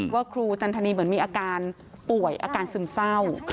ครูจันทนีเหมือนมีอาการป่วยอาการซึมเศร้า